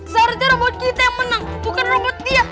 sarja robot kita yang menang bukan robot dia